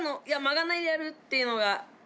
いや曲がらないでやるっていうのが。